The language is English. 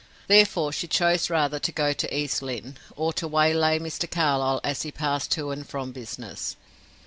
Therefore she chose rather to go to East Lynne, or to waylay Mr. Carlyle as he passed to and from business.